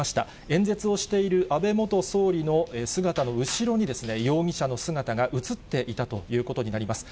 演説をしている安倍元総理の姿の後ろにですね、容疑者の姿が写っていたということになります。